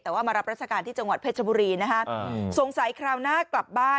แต่ว่ามารับราชการที่จังหวัดเพชรบุรีนะฮะสงสัยคราวหน้ากลับบ้าน